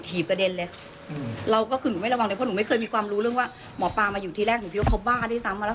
ที่เขาต้มบมบอกว่าจะไม่เอาผิดภาพเป็นอะไรทุกอย่าง